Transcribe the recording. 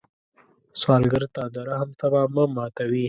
سوالګر ته د رحم تمه مه ماتوي